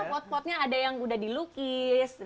pot potnya ada yang udah dilukis